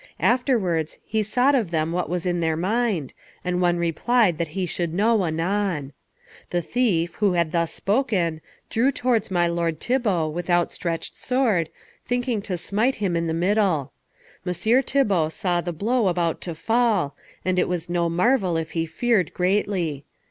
Afterwards he sought of them what was in their mind, and one replied that he should know anon. The thief, who had thus spoken, drew towards my lord Thibault, with outstretched sword, thinking to smite him in the middle. Messire Thibault saw the blow about to fall, and it was no marvel if he feared greatly.